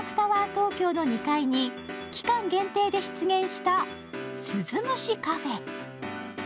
東京の２階に期間限定で出現したＳｕｚｕｍｕｓｈｉＣａｆｅ。